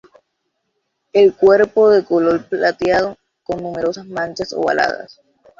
El cuerpo de color plateado con numerosas manchas ovaladas.